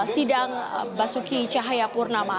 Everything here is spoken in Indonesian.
sidang basuki cahayakurnama